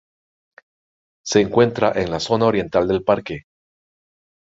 Se encuentra en la zona oriental del parque.